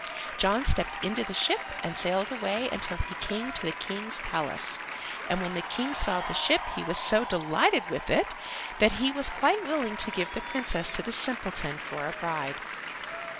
John stepped into the ship and sailed away until he came to the King's palace, and when the King saw the ship he was so delighted with it that he was quite willing to give the Princess to the simpleton for a bride.